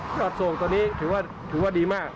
ช่วงอดสงฆ์ตรงนี้ถุงว่าดีมาก